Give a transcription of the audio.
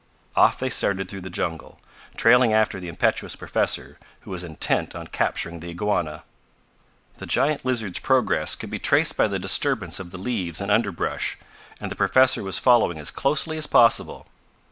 Off they started through the jungle, trailing after the impetuous professor who was intent on capturing the iguana. The giant lizard's progress could be traced by the disturbance of the leaves and underbrush, and the professor was following as closely as possible.